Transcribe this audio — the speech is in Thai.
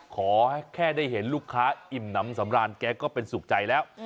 ขอให้แค่ได้เห็นลูกค้าอิ่มน้ำสำราญแกก็เป็นสุขใจแล้ว